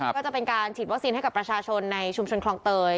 ก็จะเป็นการฉีดวัคซีนให้กับประชาชนในชุมชนคลองเตย